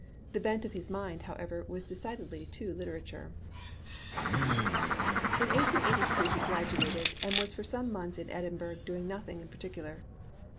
The bent of his mind, however, was decidedly to literature. In 1882 he graduated, and was for some months in Edinburgh doing nothing in particular.